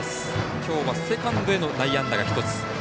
きょうは、セカンドへの内野安打が１つ。